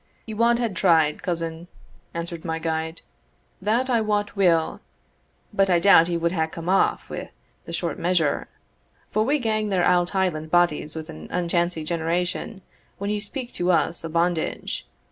"Ye wad hae tried, cousin," answered my guide, "that I wot weel; but I doubt ye wad hae come aff wi' the short measure; for we gang there out Hieland bodies are an unchancy generation when you speak to us o' bondage.